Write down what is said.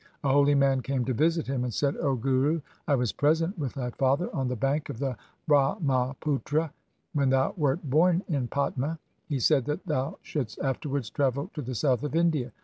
A holy man came to visit him and said, ' 0 Guru, I was present with thy father on the bank of the Brahmaputra when thou wert born in Patna. He said that thou shouldst afterwards travel to the south of India.